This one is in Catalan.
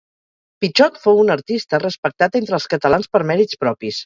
Pitxot fou un artista respectat entre els catalans per mèrits propis.